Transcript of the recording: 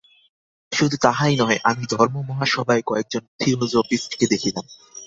শুধু তাহাই নহে, আমি ধর্মমহাসভায় কয়েকজন থিওজফিস্টকে দেখিলাম।